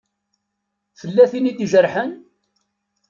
Tella tin i d-ijerḥen?